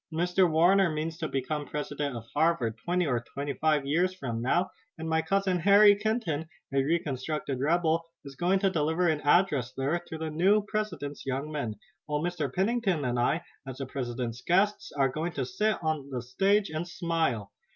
Mr. Warner means to become president of Harvard, twenty or twenty five years from now, and my cousin Harry Kenton, a reconstructed rebel, is going to deliver an address there to the new president's young men, while Mr. Pennington and I, as the president's guests, are going to sit on the stage and smile.